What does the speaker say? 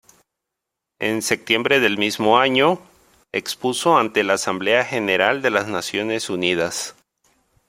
En septiembre del mismo año, expuso ante la Asamblea General de las Naciones Unidas.